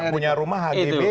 punya rumah hgb